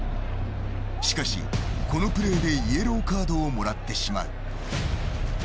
しかし、このプレーでイエローカードをもらってしまう。